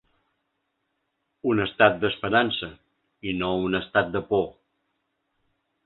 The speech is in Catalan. Un estat d’esperança, i no un estat de por.